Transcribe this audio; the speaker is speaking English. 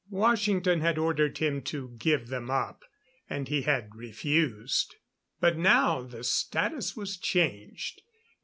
Washington had ordered him to give them up, and he had refused. But now the status was changed.